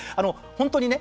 本当にね